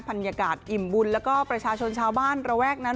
บรรยากาศอิ่มบุญแล้วก็ประชาชนชาวบ้านระแวกนั้น